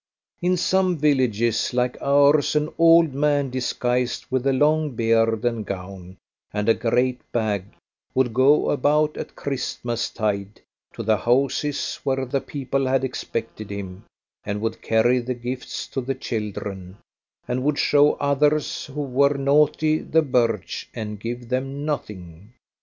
In some villages like ours an old man disguised with a long beard and gown, and a great bag, would go about at Christmastide to the houses where the people had expected him, and would carry the gifts to the children, and would show others who were naughty the birch, and give them nothing.